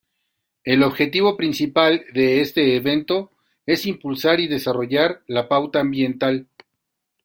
El objetivo principal de este evento es impulsar y desarrollar la pauta ambiental.